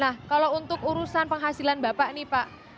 nah kalau untuk urusan penghasilan bapak nih pak